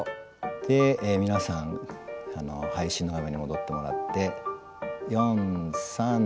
で皆さん配信の画面に戻ってもらって。